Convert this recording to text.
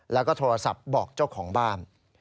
แล้วก็โทรศัพท์บอกเจ้าของบ้าน